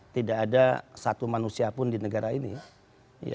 tidak ada satu manusia pun di negara ini